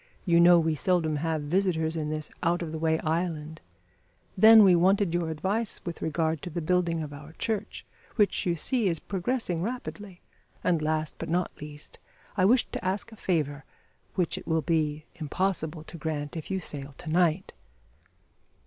You know we seldom have visitors to this out of the way island. Then we wanted your advice with regard to the building of our church, which, you see, is progressing rapidly; and last, but not least, I wished to ask a favour, which it will be impossible to grant if you sail to night."